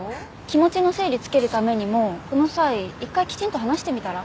気持ちの整理つけるためにもこの際１回きちんと話してみたら？